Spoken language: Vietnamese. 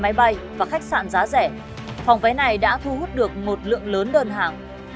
máy bay và khách sạn giá rẻ phòng vé này đã thu hút được một lượng lớn đơn hàng